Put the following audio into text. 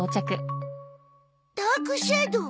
ダークシャドー。